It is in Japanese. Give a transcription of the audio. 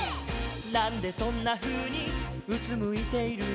「なんでそんなふうにうつむいているの」